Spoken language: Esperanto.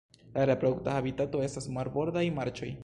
La reprodukta habitato estas marbordaj marĉoj.